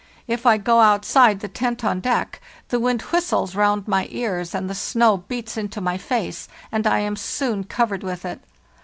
If I go outside the tent on deck, the wind whistles round my ears, and the snow beats into my face, and I am soon covered with it.